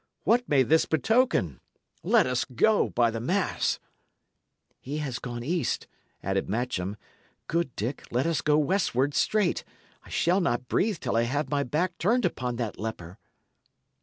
What may this betoken? Let us go, by the mass!" "He hath gone east," added Matcham. "Good Dick, let us go westward straight; I shall not breathe till I have my back turned upon that leper."